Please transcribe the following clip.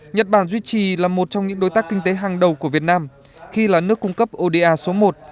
nhật bản duy trì là một trong những đối tác kinh tế hàng đầu của việt nam khi là nước cung cấp oda số một